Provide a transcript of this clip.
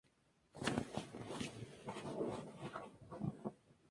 Alcanza la segunda posición en el ranking de mejores ventas en Francia.